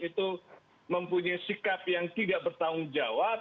itu mempunyai sikap yang tidak bertanggung jawab